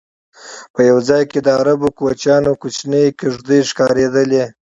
په یو ځای کې د عربو کوچیانو کوچنۍ کېږدی ښکارېدلې.